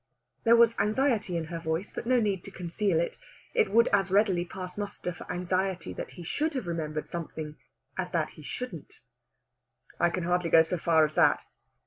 There was anxiety in her voice, but no need to conceal it. It would as readily pass muster for anxiety that he should have remembered something as that he shouldn't. "I can hardly go so far as that.